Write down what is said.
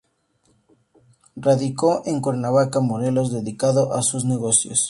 Radicó en Cuernavaca, Morelos, dedicado a sus negocios.